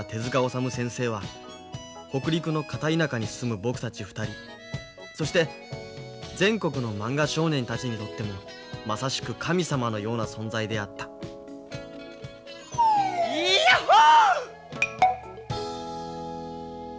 治虫先生は北陸の片田舎に住む僕たち２人そして全国のまんが少年たちにとってもまさしく神様のような存在であったいやっほ！